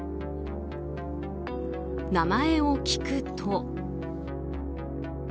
名前を聞くと。